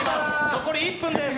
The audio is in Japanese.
残り１分です。